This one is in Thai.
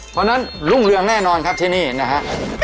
เพราะฉะนั้นรุ่งเรืองแน่นอนครับที่นี่นะฮะ